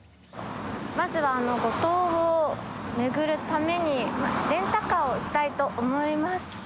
まずは五島を巡るためにレンタカーをしたいと思います。